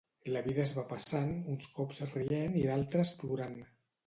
La vida es va passant, uns cops rient i d'altres plorant.